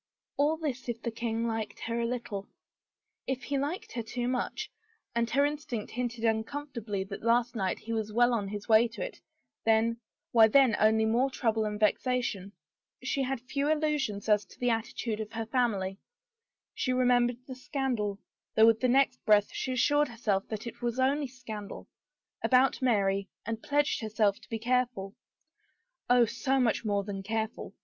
All this if the king liked her a little. If he liked her too much — and her instinct hinted uncomfortably that last night he was well on his way to it — then — why then only more trouble and vexation. She had few illu sions as to the attitude of her family. She remembered the scandal — though with the next breath she assured herself that it was only scandal — about Mary, and pledged herself to be careful — Oh, so much more than careful!